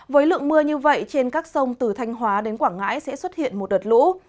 với lượng mưa như vậy trên các sông từ thanh hóa đến quảng ngãi sẽ xuất hiện một đợt lũ